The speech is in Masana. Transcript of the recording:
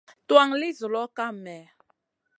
Tuwan li zuloʼ kam mèh ?